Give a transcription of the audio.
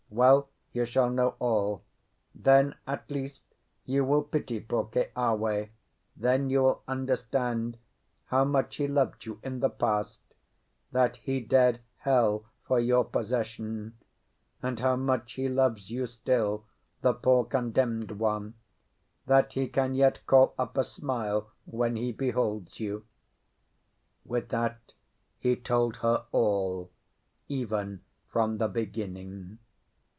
Well, you shall know all. Then, at least, you will pity poor Keawe; then you will understand how much he loved you in the past—that he dared hell for your possession—and how much he loves you still (the poor condemned one), that he can yet call up a smile when he beholds you." With that, he told her all, even from the beginning.